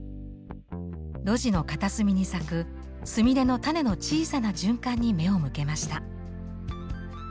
路地の片隅に咲くスミレの種の小さな循環に目を向けました。